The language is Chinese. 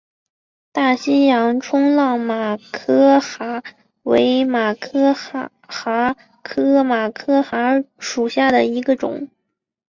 大西洋冲浪马珂蛤为马珂蛤科马珂蛤属下的一个种。